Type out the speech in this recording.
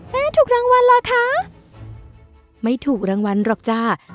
ถูกรางวัลล่ะคะไม่ถูกรางวัลหรอกจ้า